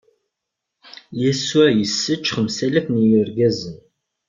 Yasuɛ issečč xemsalaf n yirgazen.